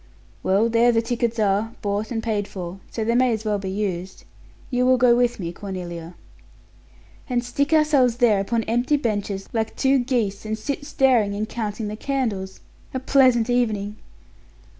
"Well, there the tickets are, bought and paid for, so they may as well be used. You will go with me, Cornelia." "And stick ourselves there upon empty benches, like two geese, and sit staring and counting the candles! A pleasant evening?"